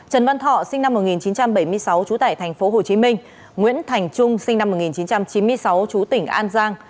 trần văn thọ sinh năm một nghìn chín trăm bảy mươi sáu chú tỉnh hồ chí minh nguyễn thành trung sinh năm một nghìn chín trăm chín mươi sáu chú tỉnh an giang